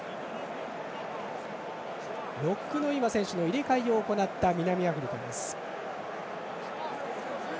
ロックの選手の入れ替えを行った南アフリカです。